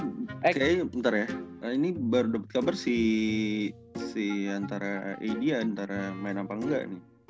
gue kayaknya bentar ya ini baru dapet kabar si antara ad antara main apa enggak nih